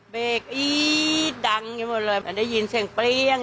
เบรกอี๊ดดังอยู่หมดเลยมันได้ยินเสียงเปรี้ยง